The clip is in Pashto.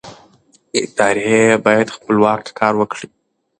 ادارې باید خپلواکه کار وکړي